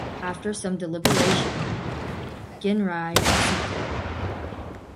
After some deliberation, Ginrai accepted.